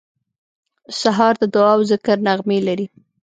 سهار د دعا او ذکر نغمې لري.